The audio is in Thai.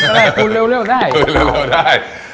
ไม่เป็นไรพูดเร็วได้